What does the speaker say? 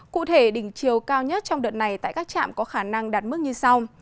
cụ thể đỉnh chiều cao nhất trong đợt này tại các trạm có khả năng đạt mức như sau